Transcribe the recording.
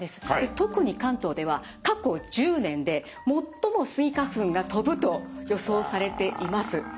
特に関東では過去１０年で最もスギ花粉が飛ぶと予想されています。